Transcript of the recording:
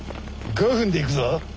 ５分で行くぞ。